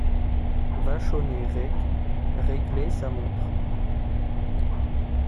Vachonnet Rég … réglait sa montre !